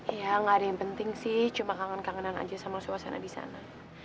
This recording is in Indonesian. iya nggak ada yang penting sih cuma kangen kangenan aja sama suasana di sana